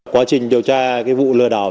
quá trình điều tra vụ lừa đảo